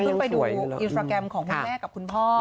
ขึ้นไปดูอินสตราแกรมของคุณแม่กับคุณพ่อ